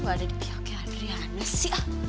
kok gak ada di pihaknya adriana sih